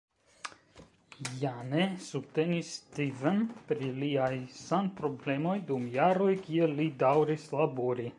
Jane subtenis Stephen pri liaj sanproblemoj dum jaroj kiel li daŭris labori.